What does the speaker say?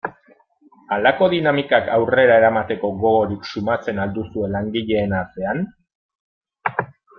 Halako dinamikak aurrera eramateko gogorik sumatzen al duzue langileen artean?